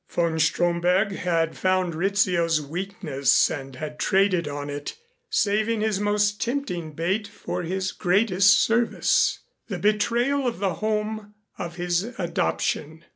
Von Stromberg had found Rizzio's weakness and had traded on it, saving his most tempting bait for his greatest service, the betrayal of the home of his adoption.